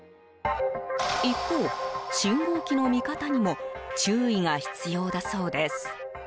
一方、信号機の見方にも注意が必要だそうです。